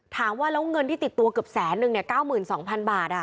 ถามว่าแล้วเงินที่ติดตัวเกือบแสนนึง๙๒๐๐๐บาท